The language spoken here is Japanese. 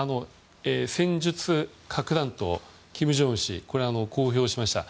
戦術核弾頭を金正恩氏が公表しました。